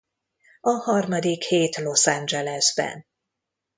A harmadik hét Los Angelesben.